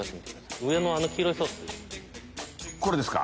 これですか。